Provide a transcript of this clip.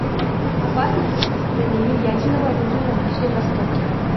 Опасность распространения ядерного оружия на Ближнем Востоке.